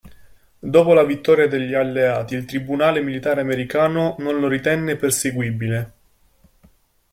Dopo la vittoria degli alleati il tribunale militare americano non lo ritenne perseguibile.